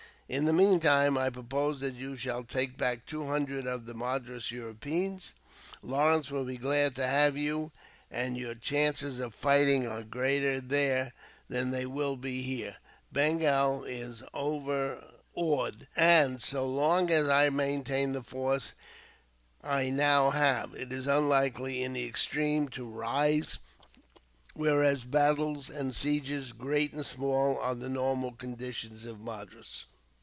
In the meantime, I propose that you shall take back two hundred of the Madras Europeans. Lawrence will be glad to have you, and your chances of fighting are greater there than they will be here. Bengal is overawed, and so long as I maintain the force I now have, it is unlikely in the extreme to rise; whereas battles and sieges, great and small, are the normal condition of Madras."